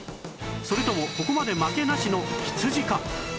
それともここまで負けなしの羊か？